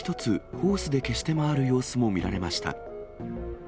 ホースで消して回る様子も見られました。